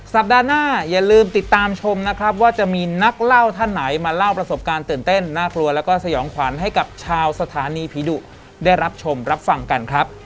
สัปดาห์หน้าอย่าลืมติดตามชมนะครับว่าจะมีนักเล่าท่านไหนมาเล่าประสบการณ์ตื่นเต้นน่ากลัวแล้วก็สยองขวัญให้กับชาวสถานีผีดุได้รับชมรับฟังกันครับ